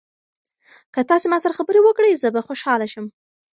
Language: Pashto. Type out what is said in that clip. که تاسي ما سره خبرې وکړئ زه به خوشاله شم.